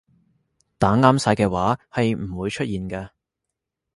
打啱晒嘅話係唔會出現㗎